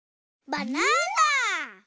バナナ！